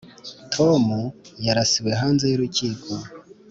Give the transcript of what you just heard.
tom yarasiwe hanze y’urukiko.